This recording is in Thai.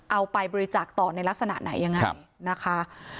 เอาไปบริจาคต่อในลักษณะไหนยังไงนะคะ